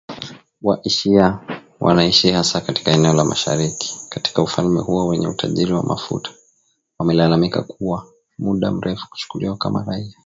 Wa shia ambao wanaishi hasa katika eneo la mashariki katika ufalme huo wenye utajiri wa mafuta, wamelalamika kwa muda mrefu kuchukuliwa kama raia